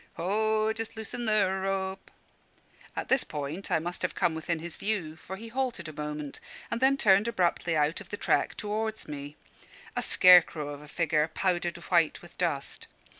"Ho! just loosen the rope" At this point I must have come within his view, for he halted a moment, and then turned abruptly out of the track towards me, a scare crow of a figure, powdered white with dust.